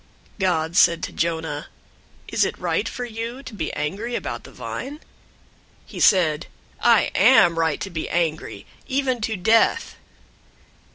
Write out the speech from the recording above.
004:009 God said to Jonah, "Is it right for you to be angry about the vine?" He said, "I am right to be angry, even to death."